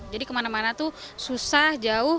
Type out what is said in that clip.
jadi kemana mana tuh susah jauh